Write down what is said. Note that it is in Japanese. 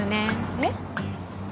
えっ？